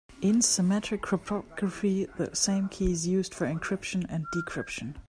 In symmetric cryptography the same key is used for encryption and decryption.